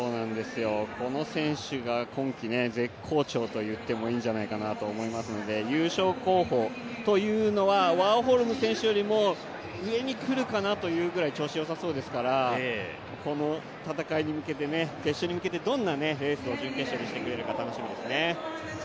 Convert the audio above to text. この選手が今季絶好調といってもいいんじゃないかなと思いますので優勝候補というのはワーホルム選手よりも上にくるかなというぐらい調子よさそうですからこの戦いに向けて決勝に向けて、どんなレースを準決勝でしてくれるか楽しみですよね。